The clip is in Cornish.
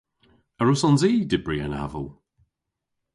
A wrussons i dybri an aval?